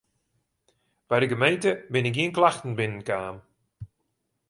By de gemeente binne gjin klachten binnen kaam.